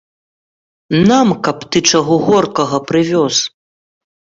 Нам каб ты чаго горкага прывёз.